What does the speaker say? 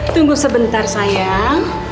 tunggu sebentar sayang